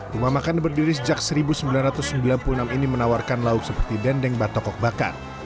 rumah makan berdiri sejak seribu sembilan ratus sembilan puluh enam ini menawarkan lauk seperti dendeng batokok bakar